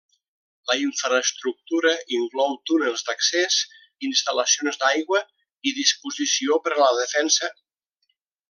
La infraestructura inclou túnels d'accés, instal·lacions d'aigua i disposició per a la defensa.